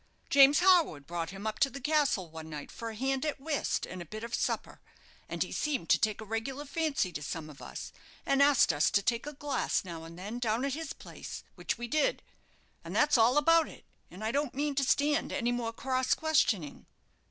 James Harwood brought him up to the castle one night for a hand at whist and a bit of supper, and he seemed to take a regular fancy to some of us, and asked us to take a glass now and then down at his place, which we did; and that's all about it; and I don't mean to stand any more cross questioning."